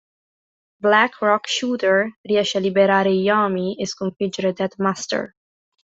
Black Rock Shooter riesce a liberare Yomi, e sconfiggere Dead Master.